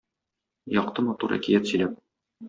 Якты матур әкият сөйләп.